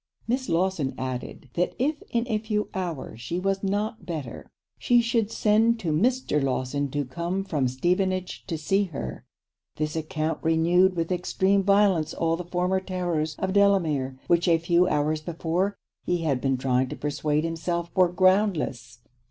Miss Lawson added, that if in a few hours she was not better, she should send to Mr. Lawson to come from Stevenage to see her. This account renewed with extreme violence all the former terrors of Delamere, which a few hours before he had been trying to persuade himself were groundless.